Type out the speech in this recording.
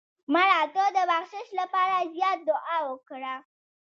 مړه ته د بخشش لپاره زیات دعا وکړه